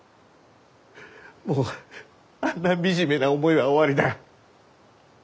もうあんな惨めな思いは終わりだ。